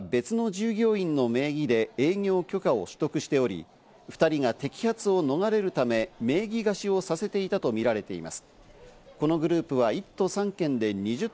店は別の従業員の名義で営業許可を取得しており、２人が摘発を逃れるため、名義貸しをさせていたとみられています。